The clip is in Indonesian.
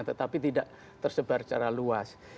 tetapi tidak tersebar secara luas